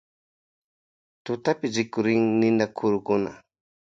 Tutapi rikurin ninakurukuna.